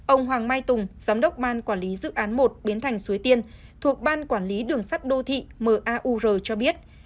ông hoàng mai tùng giám đốc ban quản lý dự án một biến thành suối tiên thuộc ban quản lý đường sắt đô thị mar cho biết